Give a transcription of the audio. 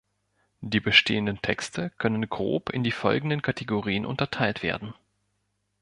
Die bestehenden Texte können grob in die folgenden Kategorien unterteilt werden.